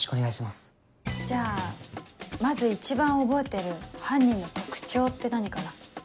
じゃあまず一番覚えてる犯人の特徴って何かな？